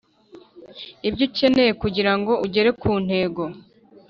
ibyo ukeneye kugirango ugere ku ntego